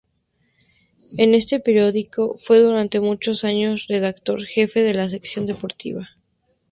En este periódico fue durante muchos años redactor jefe de la sección deportiva.